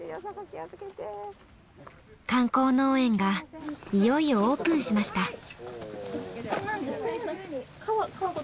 観光農園がいよいよオープンしました。